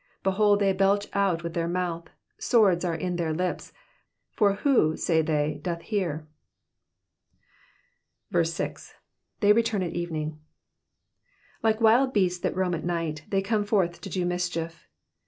7 Behold, they belch out of their mouth : swords are in their lips : for who, say they^ doth hear ? 6. ^^They return at evening. "^"^ Like wild beasts that roam at night, they come forth to do mischief.